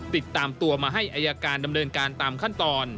ติดตามตัวมาให้อายการดำเนินการตามขั้นตอน